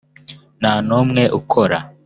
nta n umwe ukora.